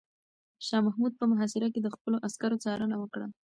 شاه محمود په محاصره کې د خپلو عسکرو څارنه وکړه.